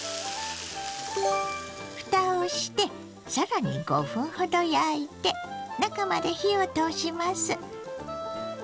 ふたをしてさらに５分ほど焼いて中まで火を通します。